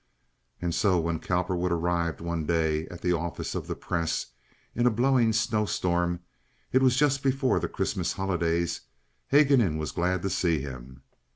And so, when Cowperwood arrived one day at the office of the Press in a blowing snow storm—it was just before the Christmas holidays—Haguenin was glad to see him.